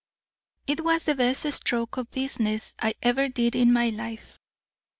It was the best stroke of business I ever did in my life.